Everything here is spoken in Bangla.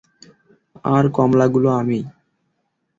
আর কমলাগুলো আমি।